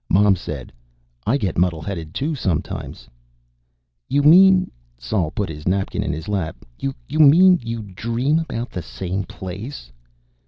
Mom said: "I get muddle headed too, sometimes." "You mean " Sol put his napkin in his lap. "You mean you dream about the same place?"